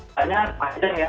hanya panjang ya